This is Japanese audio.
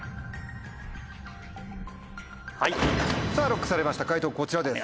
ＬＯＣＫされました解答こちらです。